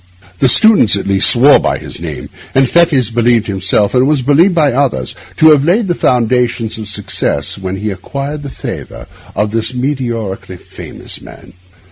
The students, at least, swore by his name, and Fettes believed himself, and was believed by others, to have laid the foundations of success when he had acquired the favour of this meteorically famous man.